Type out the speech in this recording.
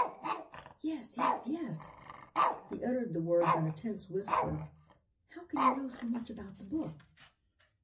"Yes, yes, yes!" He uttered the words in a tense whisper. "How can you know so much about the book?"